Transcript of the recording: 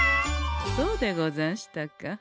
そうでござんしたか。